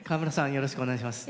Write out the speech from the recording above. よろしくお願いします。